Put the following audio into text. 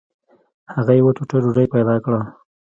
هغه یوه ټوټه ډوډۍ پیدا کړه.